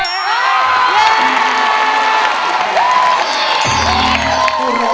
หน่อย